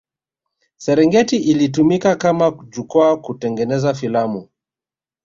Serengeti ilitumika kama jukwaa kutengeneza filamu